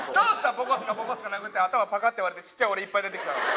ポコスカポコスカ殴って頭パカッて割れてちっちゃい俺いっぱい出てきたら。